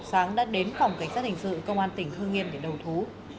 sáng đã đến phòng cảnh sát hình sự công an tỉnh hương yên để đầu thú